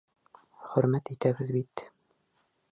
Хөрмәт итәбеҙ бит.